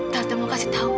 tante mau kasih tahu